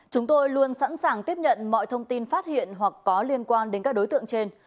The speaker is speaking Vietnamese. chúng tôi luôn sẵn sàng tiếp nhận mọi thông tin phát hiện hoặc có liên quan đến các đối tượng trên